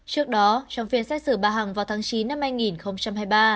trước đó trong phiên xét xử bà hằng vào tháng chín năm hai nghìn hai mươi ba